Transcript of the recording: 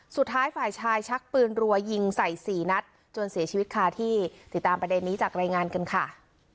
สุดท้ายฝ่ายชายชักปืนรัวยิงใส่สี่นัดจนเสียชีวิตคาที่ติดตามประเด็นนี้จากรายงานกันค่ะ